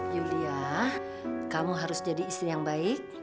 yulia kamu harus jadi istri yang baik